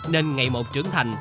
nên ngày một trưởng thành